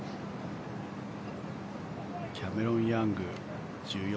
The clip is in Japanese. キャメロン・ヤング１４